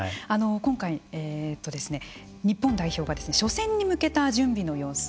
今回、日本代表が初戦に向けた準備の様子